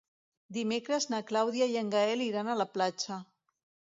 Dimecres na Clàudia i en Gaël iran a la platja.